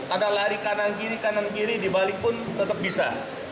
ada lari kanan kiri kanan kiri di balik pun tetap bisa